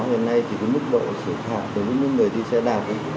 hôm nay chỉ có mức độ xử phạt đối với những người đi xe đạp